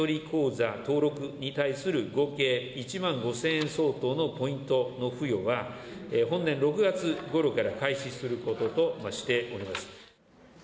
口座登録に対する合計１万５０００円相当のポイントの付与は、本年６月ごろから開始することとしております。